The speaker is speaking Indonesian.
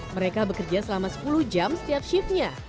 mereka bekerja selama sepuluh jam setiap shiftnya